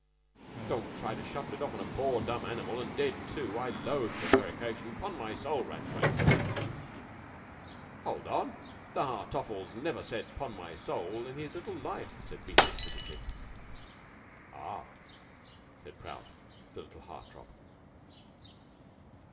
"Don't try to shuffle it off on a poor dumb animal, and dead, too. I loathe prevarication. 'Pon my soul, Rattray " "Hold on. The Hartoffles never said 'Pon my soul' in all his little life," said Beetle critically. ("Ah!" said Prout to little Hartopp.)